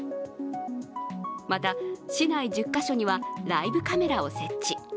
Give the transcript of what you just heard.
また、市内１０か所にはライブカメラを設置。